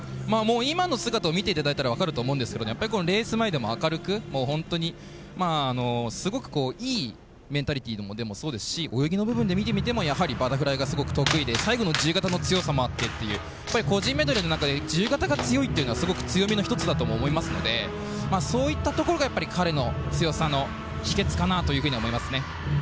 今の姿を見ていただいたら分かると思いますけどレース前でも明るく本当にすごくいいメンタリティーでもそうですし泳ぎの面で見てもやはりバタフライがすごく得意で最後の自由形の速さというのもあって個人メドレーの中で自由形が強いというのは強みの一つだと思いますのでそういったところが彼の強さの秘けつかなと思います。